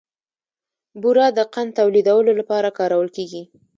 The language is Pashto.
بوره د قند تولیدولو لپاره کارول کېږي.